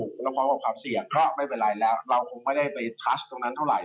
แล้วก็พร้อมกับความเสี่ยงก็ไม่เป็นไรแล้วเราคงไม่ได้ไปทัชตรงนั้นเท่าไห